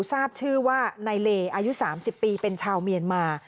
ทราบชื่อว่านายเลอายุ๓๐ปีเป็นชาวเมียนมา